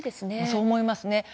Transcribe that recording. そう思いますね。